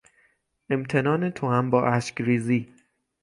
امتنان توام با اشکریزی